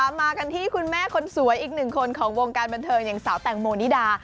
มากันที่คุณแม่คนสวยอีกหนึ่งคนของวงการบันเทิงอย่างสาวแตงโมนิดา